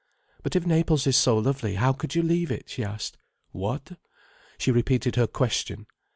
"But if Naples is so lovely, how could you leave it?" she asked. "What?" She repeated her question.